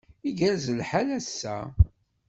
Igerrez lḥal ass-a.